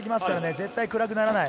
絶対暗くならない。